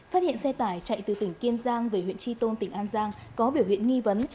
phát hiện xe tải chạy từ tỉnh kiên giang về huyện tri tôn tỉnh an giang có biểu hiện nghi vấn